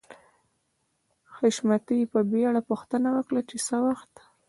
حشمتي په بېړه پوښتنه وکړه چې څه وخت